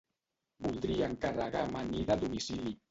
Voldria encarregar amanida a domicili.